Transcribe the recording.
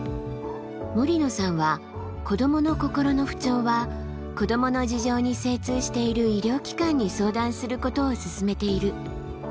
森野さんは子どもの心の不調は子どもの事情に精通している医療機関に相談することを勧めている。